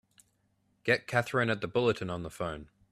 Get Katherine at the Bulletin on the phone!